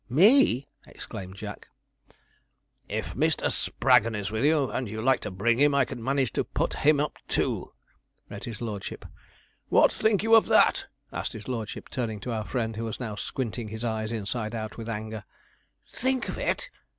'Me!' exclaimed Jack. '"If Mr. Spraggon is with you, and you like to bring him, I can manage to put him up too,"' read his lordship. 'What think you of that?' asked his lordship, turning to our friend, who was now squinting his eyes inside out with anger. 'Think of it!'